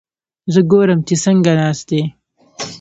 زه ګورم چې څنګه ناست دي؟